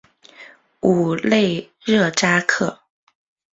武勒热扎克。